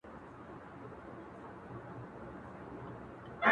o ستا خالونه مي ياديږي ورځ تېرېږي ـ